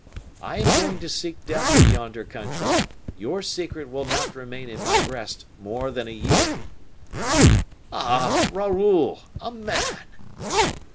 I am going to seek death in yonder country; your secret will not remain in my breast more than a year." "Oh, Raoul! a man!"